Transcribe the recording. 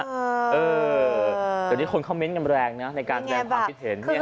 เดี๋ยวนี้คนคอมเมนต์กันแรงนะในการแสดงความคิดเห็น